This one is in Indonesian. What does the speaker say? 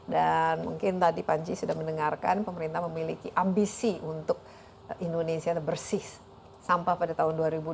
dan mungkin tadi panji sudah mendengarkan pemerintah memiliki ambisi untuk indonesia bersih sampah pada tahun dua ribu dua puluh